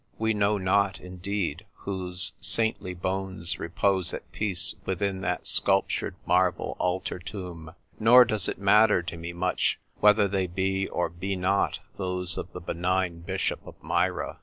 We know not, indeed, whose saintly bones repose at peace within that sculptured marble altar tomb ; nor does it matter to me much whether they be or be not those of the benign bishop of Myra.